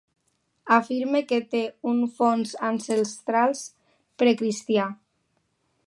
Afirme que té un fons ancestral precristià.